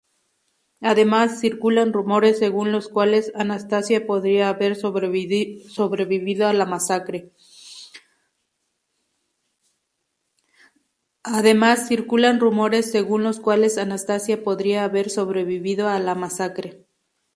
Además, circulan rumores según los cuales Anastasia podría haber sobrevivido a la masacre.